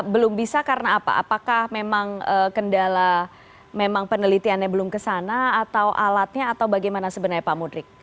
belum bisa karena apa apakah memang kendala memang penelitiannya belum kesana atau alatnya atau bagaimana sebenarnya pak mudrik